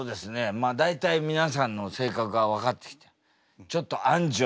まあ大体皆さんの性格が分かってきてちょっとあんじゅは要注意。